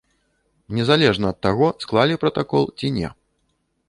Незалежна ад таго, склалі пратакол ці не.